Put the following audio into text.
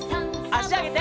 あしあげて。